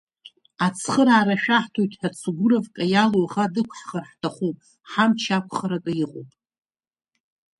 Ацхыраара шәаҳҭоит, аха Цугуровка иалоу аӷа дықәаҳхыр ҳҭахуп, ҳамч ақәхаратәы иҟоуп.